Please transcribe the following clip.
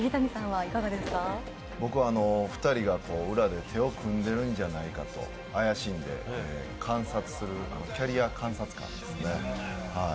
僕はお二人が裏で手を組んでるんじゃないかと怪しんで観察するキャリア監察官ですね。